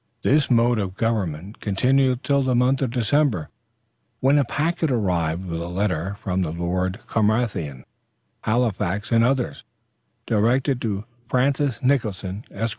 This mode of government continued till the month of December, when a packet arrived with a letter from the Lords Carmarthen, Halifax and others, directed to "Francis Nicholson, esq.